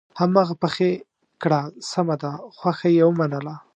هماغه پخې کړه سمه ده خوښه یې ومنله.